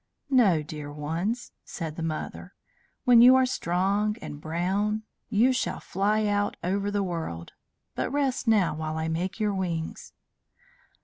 "No, dear ones," said the mother; "when you are strong and brown you shall fly out over the world. But rest now while I make your wings."